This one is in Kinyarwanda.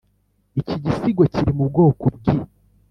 iki gisigo kiri mu bwoko bwi